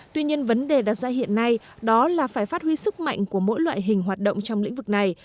tuy nhiên vấn đề đặt ra hiện nay đó là phải phát huy sức mạnh của mỗi loại hình hoạt động trong lĩnh vực này